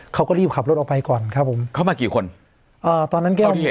เขาก็รีบขับรถออกไปก่อนครับผมเข้ามากี่คนอ่าตอนนั้นแก้วดี